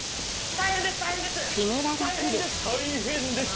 大変です。